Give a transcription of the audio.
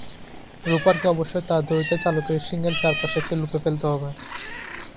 রোপারকে অবশ্যই তার দড়িটা চালকের শিং-এর চারপাশে একটা লুপে ফেলতে হবে।